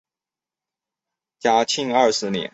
嘉庆二十年。